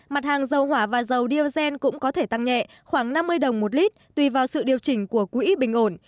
mặt hàng dầu hỏa và dầu diesel cũng có thể tăng nhẹ khoảng năm mươi đồng một lít tùy vào sự điều chỉnh của quỹ bình ổn